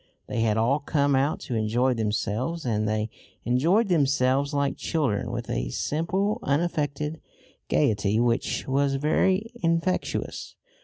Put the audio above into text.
They had all come out to enjoy themselves, and they enjoyed themselves like children, with a simple unaffected gaiety which was very infectious.